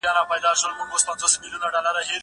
زه کولای سم پاکوالی وکړم!